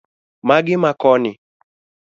Magi ma koni